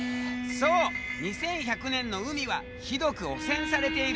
そう２１００年の海はひどく汚染されている。